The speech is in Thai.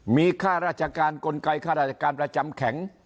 มีค่าราชการกลไกค่าราชการประจำแข็ง